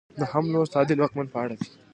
نهم لوست د عادل واکمن په اړه دی.